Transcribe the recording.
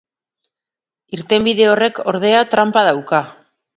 Irtenbide horrek, ordea, tranpa dauka.